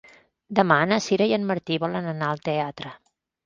Demà na Sira i en Martí volen anar al teatre.